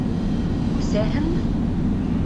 Күсәһеңме?